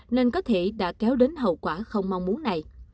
nên có thể đã kéo đến hậu quả không mong muốn này